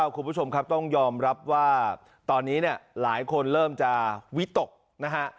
คุณผู้ชมครับต้องยอมรับว่าตอนนี้เนี่ยหลายคนเริ่มจะวิตกนะฮะ